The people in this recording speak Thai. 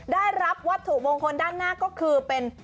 ได้รับวัตถุมงคลด้านหน้าก็คือเป็น